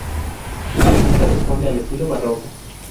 La ermita responde al estilo barroco.